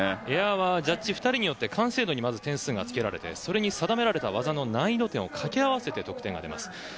エアはジャッジ２人によって完成度に点数がつけられてそれに定められた技の難易度点を掛け合わせて得点が出ます。